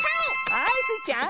はいスイちゃん。